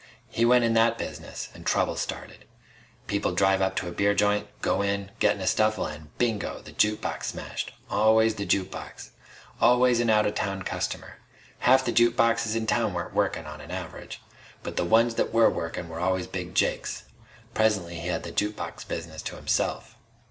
"He went in that business an' trouble started. People'd drive up to a beer joint, go in, get in a scuffle an' bingo! The juke box smashed. Always the juke box. Always a out of town customer. Half the juke boxes in town weren't workin', on an average. But the ones that were workin' were always Big Jake's. Presently he had the juke box business to himself."